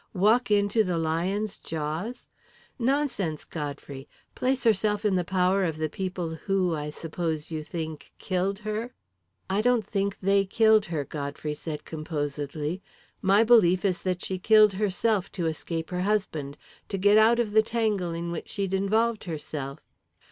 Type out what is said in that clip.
"Walk into the lion's jaws? Nonsense, Godfrey! Place herself in the power of the people who, I suppose you think, killed her!" "I don't think they killed her," Godfrey said composedly. "My belief is that she killed herself to escape her husband to get out of the tangle in which she'd involved herself."